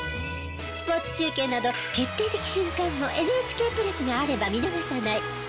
スポーツ中継など決定的瞬間もＮＨＫプラスがあれば見逃さない。